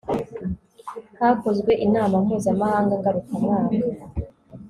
hakozwe inama mpuzamahanga ngarukamwaka